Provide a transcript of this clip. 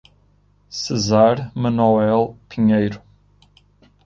Cesar Manoel Pinheiro